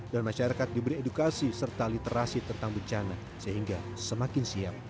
dan masyarakat diberi edukasi serta literasi tentang bencana sehingga semakin siap